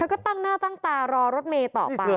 แล้วก็ตั้งหน้าตั้งตารอรถเมย์ต่อไป